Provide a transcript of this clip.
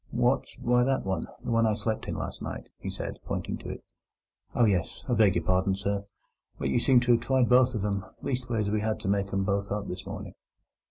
"What? Why, that one—the one I slept in last night," he said, pointing to it. "Oh yes! I beg your pardon, sir, but you seemed to have tried both of "em; leastways, we had to make 'em both up this morning."